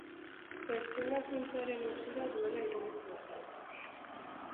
Pertsona zintzoaren itxura duela iruditzen zait.